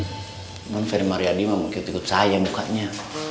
cuman ferry mariadi mah mungkin tikut saya mukanya